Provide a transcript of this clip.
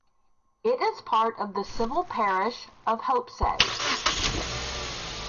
It is part of the civil parish of Hopesay.